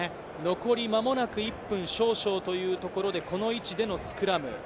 残り間もなく１分少々というところで、この位置でのスクラム。